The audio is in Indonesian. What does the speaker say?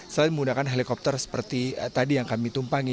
selain menggunakan helikopter seperti tadi yang kami tumpangi